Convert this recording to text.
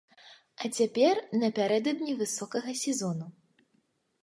А цяпер напярэдадні высокага сезону.